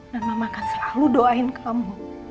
dan mama akan selalu doain kamu